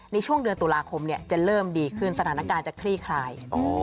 ในช่วงเดือนตุลาคมจะเริ่มดีขึ้นสถานการณ์จะคลี่คลาย